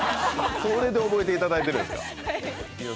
それで覚えていただいてるんですか？